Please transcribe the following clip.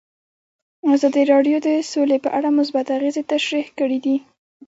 ازادي راډیو د سوله په اړه مثبت اغېزې تشریح کړي.